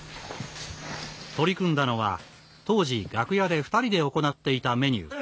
取り組んだのは当時、楽屋で２人で行っていたメニュー。